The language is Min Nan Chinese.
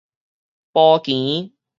埔墘